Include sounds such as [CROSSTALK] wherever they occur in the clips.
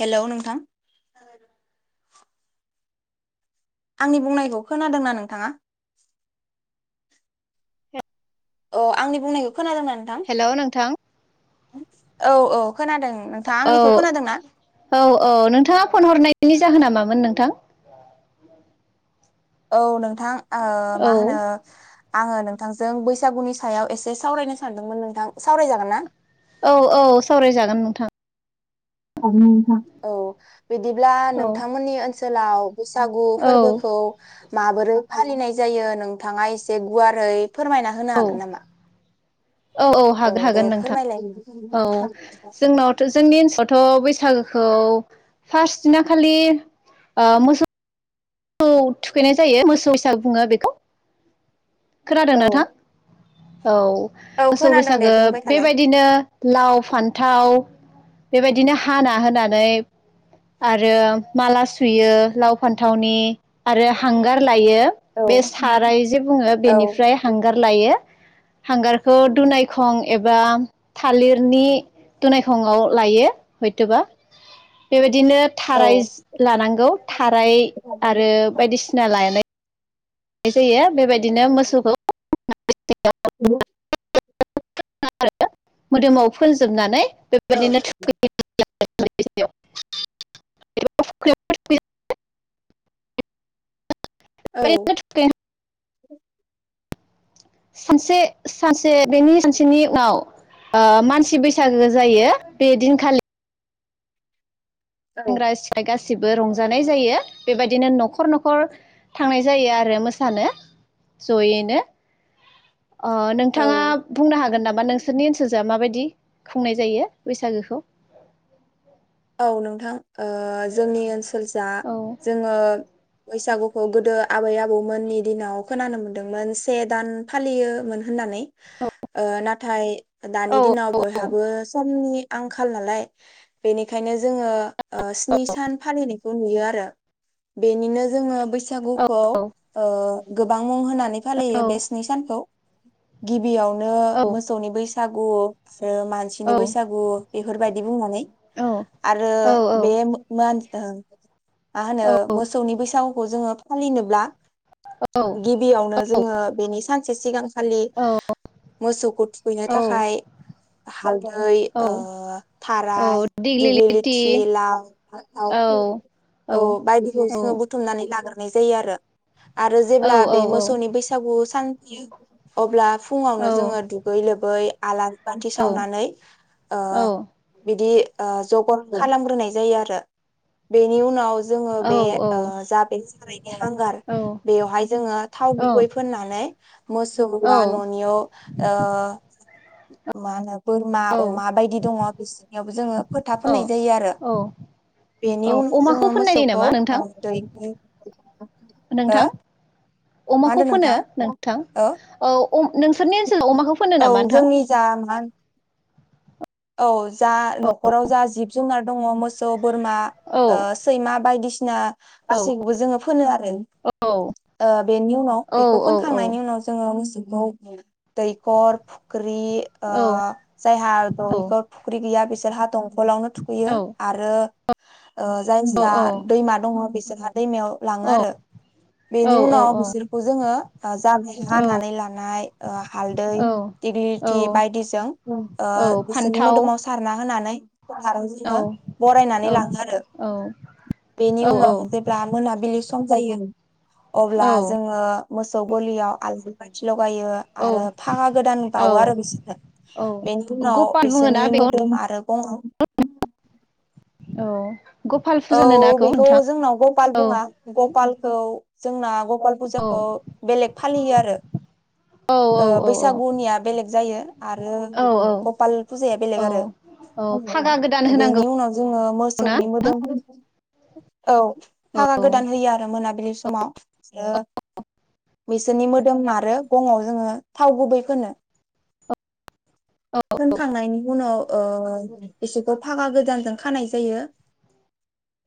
Hello नोंथां आंनि बुंनायखौ खोनादोंना नोंथाङा औ आंनि बुंनाय खोनादोंना नोथां हेलौ नोंथां औ औ खोनादों नोंथाङा औ आंनिखौ खोनादोंना औ औ नोंथाङा फन हरनाय बिनि जाहोना मामोन नोंथां औ नो थां ओ औ मा होनो आंङो नोंथांजों बैसागुनि सायाव एसे सावरायनो सानदोंमोन नोंथां सावरायजागोन ना औ औ सावरायजागोन नोंथां औ बिदिब्ला औ नोंथांमोननि ओ सोलाव बैसागु औ फोरबोखौ माबोरै फालिनाय जायो नोंथाङा एसे गुवारै फोरमायना होनो औ हागोन नामा औ औ हागोन दे हागोन नोंथां फोरमायलाय औ जोंनावथ जोंनि ओनसोल थ बैसागोखौ फार्स्ट दिना खालि ओ मोसौ थुखैनाय जायो मोसौ हिसाग बुंङो बेखौ खोनादों औ ना थां औ औ मोसौ खोनादों दे बैसागो बुंबाय थालाय बेबायदिनो लाव फान्थाव बेबायदिनो हाना होनानै आरो माला सुयो लाव फान्थावनि आरो हांगार दायो औ बे साराय जे बुंङो बेनिफ्राय औ हांगार लायो यो हांगारखौ दुनायखं एबा थालिरनि दुनायखंआव लायो हयत'बा बेबायदि दिनो औ थारायज लानांगौ थाराय आरो बायदिसिना लायनाय जायो बेबायदिनो मोसौखौ [UNINTELLIGIBLE] आरो मोदोमाव फोजोबनानै [UNINTELLIGIBLE] [UNINTELLIGIBLE] [UNINTELLIGIBLE] औ सानसे सानसे बेनि सानसेनि उनाव ओ मानसि बैसागो जायो बे दिनखालि औ सेंग्रा सिख्ला गास सिबो रंजानाय जायो बेबायदिनो न'खर न'खर थांनाय जायो आरो मोसानो जयैनो अ नोंथाङा औ बुंनो हागोन नामा नोंसोरनि ओनसोलजो माबायदि? खुंनाय जायो बैसागोखौ औ नोंथां ओ जोंनि ओनसोलजा औ जोङो बैसागुखौ गोदो आबै आबौमोननि दिनाव खोनानो मोनदोंमोन से दान फालियोमोन होननानै ओ नाथाय औ दानि दिनाव बयहाबो समनि आंखाल नालाय बेनि खायनो जोङो ओ‌ स्नि सान फालिनाय खौ नुयो आरो बेनिनो जोङो बै औ बैसागुखौ ओ गोबां मुं होनानै औ फालियो बे स्नि सानखौ। गिब बियावनो औ मोसौनि बैस सागु आरो औ मानसिनि बैसागु बेफोरबायदि बुंनानै आरो बे मो-मानस ओं मा होनो मोसौनि बैसागुखौ जोङो फ फालिनोब्ला गिबियावनो जोङो बेनि सानसे सिगांखालि मोसौखौ थुखैनो औ थाखाय हालदै औ ओ थाराय औ दिग्लि लिथि, दिग्लिलिथि लाव, फान्थाव औ औ बायदिखौ औ जोङो बुथुमनानै लाग्रोनाय जायो आरो। आरो औ जेब्ला बे मोसौनि बैसागु सान अब्ला फुङावनो जोङो दुगै लोबै आलारि बान्थि सावनानै ओ औ बिदि ओ जगल खालामग्रोनाय जायो आरो बेनि उनाव जोङो बे ओ जा बे सारायनि हांगार, बेवहाय जोङो थाव गुबै फोननानै मोसौ बा ननियाव ओ मा होनो बोरमा अमा बायदि दङ बिसोरनियावबो जोङो फोथा औ फोननाय जायो आरो, औ बेनि उनाव अमाखौ जोङो फोननाय जायो मोसौखौ नामा नोंथां ओ दै नोंथां हो? अमाखौ होनदों फोनो नोंथाङा नोंथां? औ औ नोंसोरनि ओनसोलाव अमाखो फोनो औ नामा नोंथां? जोंनि [UNINTELLIGIBLE] औ जा न'खराव जा जिब जुनार दङ मोस सौ बोरमा औ ओ सैमा बायदिसि ना औ गासैखौबो जोङो फोनो आरो औ ओ बेनि उनाव औ बेखौ औ फोनखांनायनि उनाव जोङो मोस [UNINTELLIGIBLE] दैखर फुख ख्रि ओ औ जायहा औ दंक फुख्रि गैया बिस हा दं खलावनो औ थुखैयो आरो ओ जाय जा दैमा दङ बिसोर दैमायाव लाङो आरो, बेनि उनाव बिसोरखौ जोङो ओ जाग हानानै लानाय हालदै औ औ दिग्लिथि बायदिजों। अ औ बिसोरनि फान्थाव मोदोमाव सारना होनानै सारो औ जोङो बरायनानै लाङो आरो औ बेनि औ औ उनाव जेब्ला मोनाबिलि सम जायो। अब्ला औ जोङो मोसौ गलियाव [UNINTELLIGIBLE] गायो आरो औ फागा गोदान बावो औ आरो। बिसोरनो औ बेनि उनाव गपाल बिसोरनि बुङोना बेखौ मोदोम आरो गंङाव औ गपाल औ फुजा होनोना बेखौ नोंथां जोंनाव गपाल औ बुंङा गपालखौ जोंनाव गपाल फुजाखौ औ बेलेक फालियो आरो औ ओ औ बैसागुनिया बेलेग जायो आरो औ औ गपाल फुजाया बेलेग आरो औ औ फागा गोदान होनांगौ बेनि उनाव जोंङो ना मोसौनि मोदोम [INAUDIBLE] औ औ फखगा औ गोदान होयो आरो मोनाबिलि समाव ओ बिसोरनि मोदोम आरो गंङाव जोंङो थाव गुबै फोनो औ फोनखांनायनि उनाव ओ एसे ओ फागा गोदानजों खानाय जायो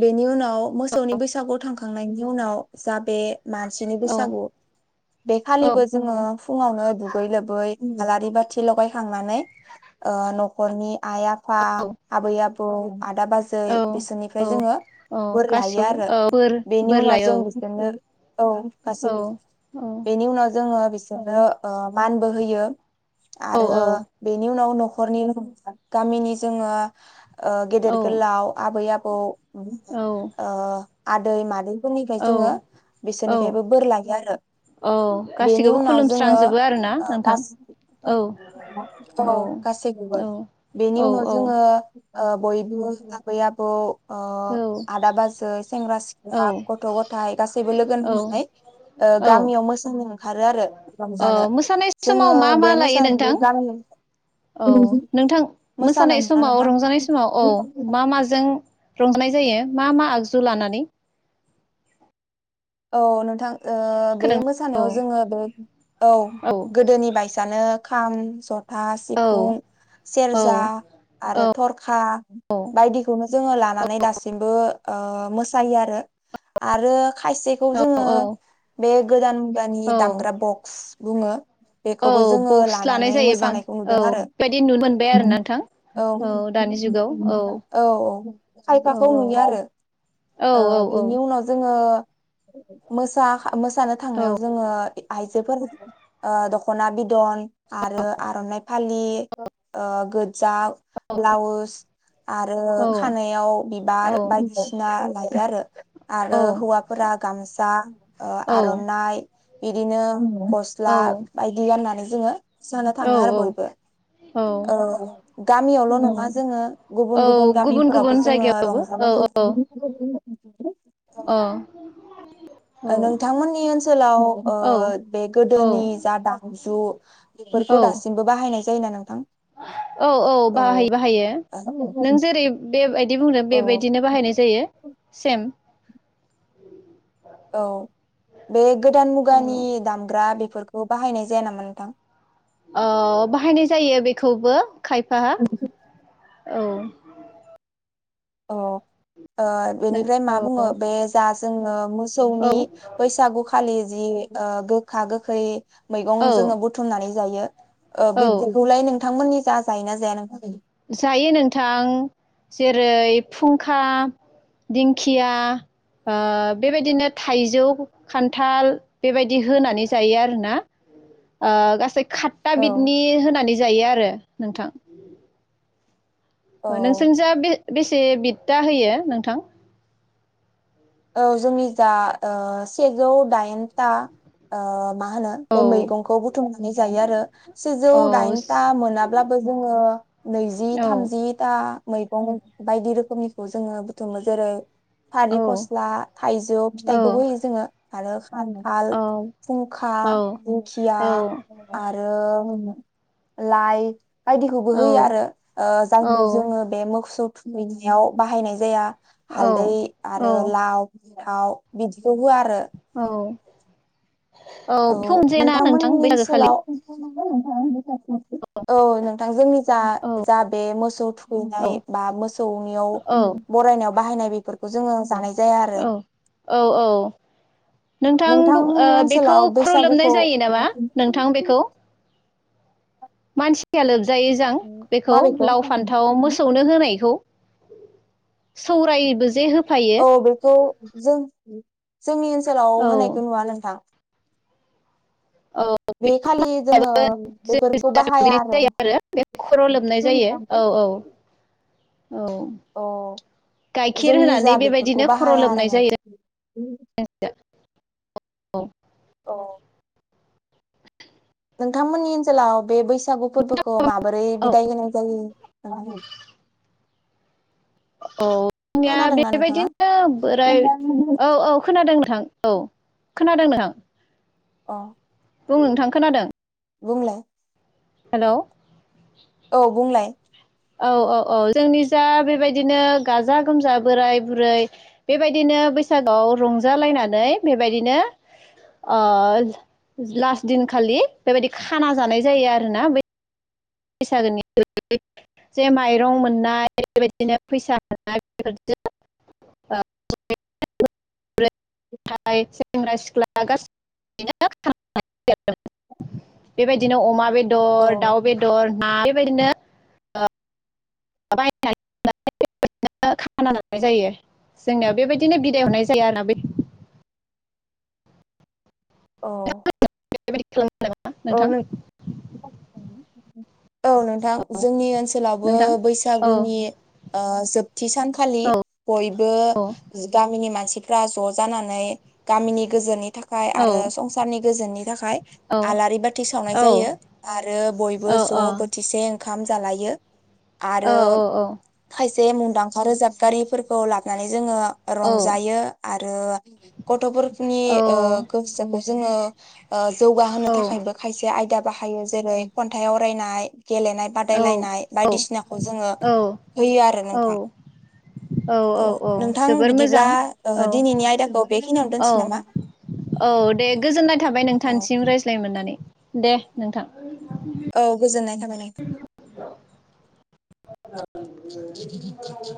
बेनि उनाव आव मोसौनि बैसागु थांखांनायनि उनाव जाबे मानसिनि बैसागु बे औ खालिबो जोंङो फुंङावनो दुगै लोबै आलारि बाथि लगायखांनानै ओ नखरनि आइ आफा आबै आबौ [UNINTELLIGIBLE] आदा बाजै औ बिसोरनिफ्राय जोंयो औ बोर लायो गासिखौबो आरो औ बोर बेनि बोर उनाव लायो जों बिदिनो औ औ गासैबो औ बेनि उनाव जोंङो बिसोरो मानबो होयो औ आरो बेनि उनाव नख नखरनि गामिनि जोंङो ओ गेदेर गोलाव आबै आबौ औ [INAUDIBLE] औ ओ आदै मादै फोरनिफ्राय जोंङो औ औ बिसोरनिफ्रायबो बोर लायो आरो औ बेनि गासैखौबो उनाव जोंङो खुलुमस्रांजोबो आरोना नोंथां गासै औ [UNINTELLIGIBLE] औ गासैखौबोन बेनि औ उनाव औ जोंङो ओ बयबो आबै आबौ ओ औ आदा बाजै सेंग्रा सिख्ला औ गथ गथायाइ गासैबो लोगो औ नांनानै औ गामियाव मोसानो ओंखारो आरो रंजानो औ मोसानाय समाव जोंङो मा मा बे लायो नोंथां मोसानाय गामि औ नोंथां मोसानाय ना समाव नोंथां रंजानाय समाव औ मा माजों रंजानाय जायो मा मा आगजु लानानै औ नोंथां ओ बे खोदों औ मोसानायाव जोङो बे औ गोदोनि बाइसआनो खाम जट [UNINTELLIGIBLE] सिफुं औ सेरजा आरो थरखा बायदिखौनो जोङो लानानै दासिमबो ओ मोसायो आरो आरो खायसे खौ औ जोङो बे गोदान मुगानि औ दामग्रा बक्स बुङो । बेखौबो औ जोङो बक्स लानाय लानानै जायो बां मोसानायखौ औ नुदों आरो बेबायदि नुनो मोनबाय आरो नोंथां औ औ औ औ खायफाखौ नुयो औ आरो औ ओ बेनि उनाव जोङो मोसा मोसानो औ थांनायाव जोङो [UNINTELLIGIBLE] ओ दखना बिदन आरो आर'नाइ फालि ओ गो जा ब्लाउस आरो औ खानाय औ गारो आरो औ हौवा गामसा ओ औ आर'नाइ बिदिनो गस्ला बायदि गाननानै जोङो जानो थाङो आरो बयबो औ गामियावल' औ नङा जोङो औ गुबुन गुबुन गामिफोरावबो गुबुन जोङो जायगायावबो रंजा बाजा थाङो। [INAUDIBLE] ओ अ ओ नोंथांमोननि ओनसोलाव ओ औ बे गोदोनि जा दामजु [INAUDIBLE] औ बेफोरखौ दासिमबो बाहायनायज जायोना नोंथां? औ औ बाहायो बाहायो नों जेरै बेबायद बिदि बुंदों औ बेबायदिनो बाहायनाय जायो सेम [INAUDIBLE] औ बे गोदान औ मुगानि दामग्रा बेफोरखौ बाहायनाय जाया नामा नोंथां? अ बाहायनाय जायो बेखौबो खायफा औ अ ओ नों बेनिफ्राय मा बुङो औ बे जाज जोङो मोस औ मोसौनि बैसागु खालि जि ओ गोखा गोखै मैगं औ जोङो बुथुमनानै जायो। ओ औ बिबदिखौलाय नों नोंथांमोननि जा जायोना जाया नों [UNINTELLIGIBLE] खै जायो नोंथां जेरै फुंखा, दिंखिया ओ बेबायदिनो थाइजौ, खान्थाल बेबायदि होनानै जायो आरोना ओ गासै खाट्टा औ बिदनि होनानै जायो आरो। नोंथां औ नोंसोरनि जा बे बेसे बिट दा होयो नोंथां? औ जोंनि जा ओ सेजौ दाइनथा मा होनो औ बे मैगंखौ बुथुमनानै जायो आरो सेजौ औ दाइनथा मोनाब्लाबो जोङो नैजि औ थामजिथा मैगं बायदि रोखोमनिखौ जोङो बुथुमो जेरै फारि औ फस [UNINTELLIGIBLE] थाइजौ औ फिथाइखौबो होयो जोङो। आरो खान्थाल, औ खुंखा, औ दिंखिया आरो लाय बायदिखौबो होयो आरो ओ जायखौ जोङो बे मोसौ थुखैनायाव बाहायनाय जाया औ हालदै औ आरो लाव फान्थाव बिदि [UNINTELLIGIBLE] होआ आरो औ औ बेखौ मोनजायाना नोंथां नोंथांमोननि बैसागोखालि ओनसोलाव [UNINTELLIGIBLE] औ नोंथां जोंनि जा औ जा बे मोसौ औ थुखैनाय बा मोसौनियाव औ बरायना [UNINTELLIGIBLE] बाहायनाय बेफोरखौ जोङो जानाय जाया आरो औ औ औ नोंथां नोंथांमोननि बेखौ ओनसोलाव ख्रुलोबनाय बैसागुखौ जायो नामा नोंथां बेखौ मानसिया लोबजायो जायो जों बेखौ लाव फान्थाव माबेखौ मोसौनो होनायखौ सौरायबो जे हो औ बेखौ जों उम जोंनि ओनसोलाव औ होनायखौ नुवा नोंथां औ बे खालि जोङो बेफोरखौ बाहाया दुगैनाय जायो आरो बेफोरखौ खर' लोबनाय जायो औ औ औ अ गाइखेर जोंनि होनानै जा बेफोरखौ बेबायदिनो खर' बाहाया आरो नोंथां औ औ औ। नोंथांमोननि ओनसोलाव बे बैसाग बैसागु फोरबोखौ माबोरै औ बिदाय होनाय जायो? औ। आंनिया खोनादोंना नोंथाङा बेबायदिनो बोराय औ औ खोनादों नोंथां। औ खोनादों नोंथां। अ। बुं नोंथां खोनादों। बुंलाय हेल'। औ बुंलाय। औ औ औ जोंनि जा बेबायदिनो गाजा गोमजा बो बैसागोनि जे माइरं मोननाय [UNINTELLIGIBLE] औ दर दाव बेदर बेबायदिनो ओ बायनानै खाना जानाय जायो जोंनियाव बेबायदिनो बिदाय हरनाय जायो आरोना बे औ। बेबायदि खालामो औ नोंथां नोंथ औ नोंथां जोंनि ओनसोलावबो नोंथां औ बैसागुनि ओ जोबथि सानखालि औ बयबो औ गामिनि मानसि फ्रा ज' जानानै गामिनि गोजोननि थाखाय औ आरो संसारनि गोजोननि थाखाय औ आलारि बाथि सावनाय औ जायो आरो बयबो औ ज' बोथिसे ओंखाम जालायो। आरो खाय से मुंदांखा रोजाबगारिफोरखौ लाबनानै जोङो औ रंजायो आरो गथ'फोरनि ओ गोसो जोङो ओ जौगाहोनो नो औ थाखायबो खायसे आयदा बाहायो जेरै खन्थाइ आवरायनाय गेलेनाय औ बादायलायनाय बायदिसिनाखौ जोङो औ होयो आरो औ नोंथां औ नोंथां बिदिब्ला ओ औ दिनैनि आयदाखौ बेखिनियावनो औ दोनसै नामा औ दे गोजोननाय थाबाय औ । नोंथांनिसिम रायज्लाय मोननानै दे नोंथां। औ गोजोननाय था [UNINTELLIGIBLE] [INAUDIBLE]